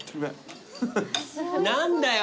何だよ！